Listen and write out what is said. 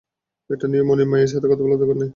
এটা নিয়ে মনির মায়ের সাথে কথা বলার দরকার নেই।